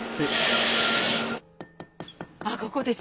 あっここです。